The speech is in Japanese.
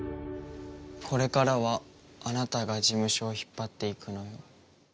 「これからはあなたが事務所を引っ張っていくのよ！」。